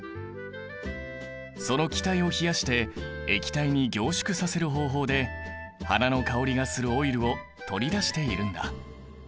その気体を冷やして液体に凝縮させる方法で花の香りがするオイルを取り出しているんだ。